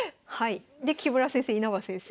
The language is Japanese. で木村先生稲葉先生。